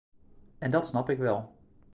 En dat snap ik wel.